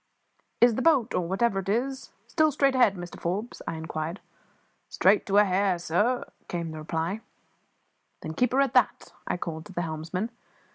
"Is the boat or whatever it is still straight ahead, Mr Forbes?" I inquired. "Straight to a hair, sir," came the reply. "Then keep her at that," I called to the helmsman.